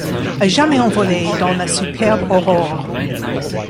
A jamais envolés dans la superbe aurore